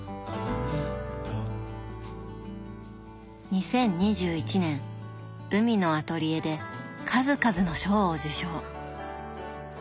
２０２１年「海のアトリエ」で数々の賞を受賞。